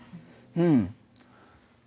うん。